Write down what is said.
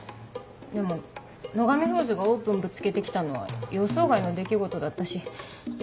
でも野上フーズがオープンぶつけて来たのは予想外の出来事だったし。